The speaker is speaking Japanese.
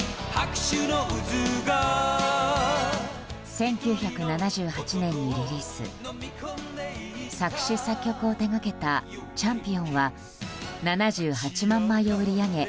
１９７８年にリリース作詞・作曲を手掛けた「チャンピオン」は７８万枚を売り上げ